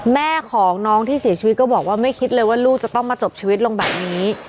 แม่ของน้องที่เสียชีวิตก็บอกว่าไม่คิดเลยว่าลูกจะต้องมาจบชีวิตลงแบบนี้